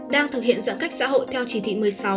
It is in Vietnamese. đang thực hiện giãn cách xã hội theo chỉ thị một mươi sáu